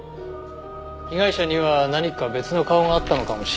被害者には何か別の顔があったのかもしれませんね。